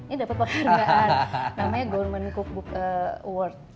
ini dapat penghargaan namanya golman cookbook award